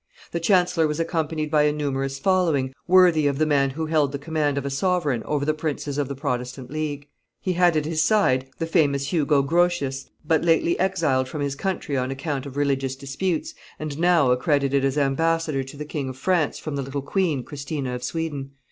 The chancellor was accompanied by a numerous following, worthy of the man who held the command of a sovereign over the princes of the Protestant League; he had at his side the famous Hugo Grotius, but lately exiled from his country on account of religious disputes, and now accredited as ambassador to the King of France from the little queen, Christina of Sweden.